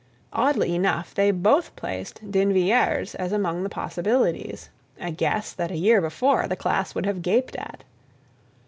Oddly enough, they both placed D'Invilliers as among the possibilities, a guess that a year before the class would have gaped at.